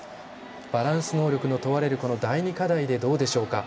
バランス能力の問われるこの第２課題でどうでしょうか。